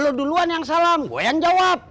kalau duluan yang salam gue yang jawab